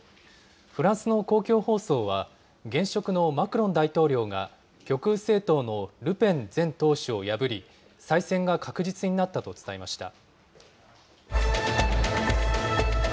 フランスの公共放送は、現職のマクロン大統領が極右政党のルペン前党首を破り、再選が確実になったと伝えました。